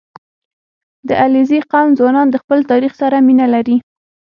• د علیزي قوم ځوانان د خپل تاریخ سره مینه لري.